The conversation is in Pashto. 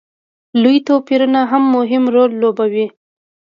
لوی توپیرونه هم مهم رول لوبوي.